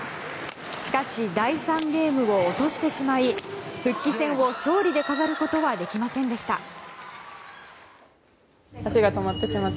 しかし、第３ゲームを落としてしまい復帰戦を勝利で飾ることはできませんでした。